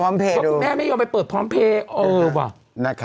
แม่ไม่ยอมไปเปิดพร้อมเพลย์